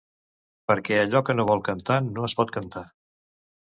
Perquè allò que no vol cantar no es pot cantar.